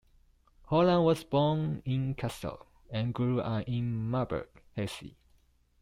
Holland was born in Kassel, and grew up in Marburg, Hesse.